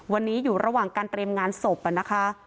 วันนี้อยู่ระหว่างการเตรียมงานศพนะคะ